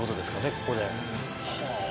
ここで。